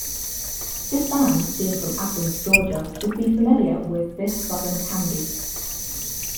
The band, being from Athens, Georgia would be familiar with this Southern candy.